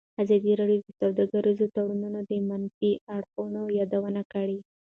ازادي راډیو د سوداګریز تړونونه د منفي اړخونو یادونه کړې.